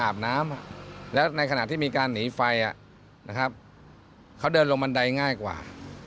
อาบน้ำแล้วในขณะที่มีการหนีไฟนะครับเขาเดินลงบันไดง่ายกว่า